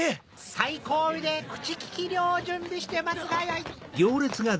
最後尾で口利き料を準備して待つがよい。